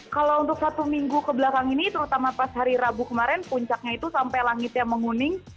kalau untuk satu minggu kebelakang ini terutama pas hari rabu kemarin puncaknya itu sampai langitnya menguning